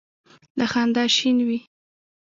له خندا شین وي.